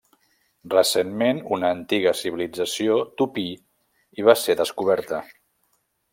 Recentment, una antiga civilització tupí hi va ser descoberta.